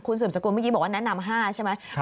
คุณเสมอสกุลเมื่อกี้บอกว่าแนะนำ๕เมตรใช่ไหม